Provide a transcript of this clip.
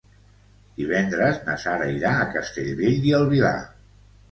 Divendres na Sara irà a Castellbell i el Vilar.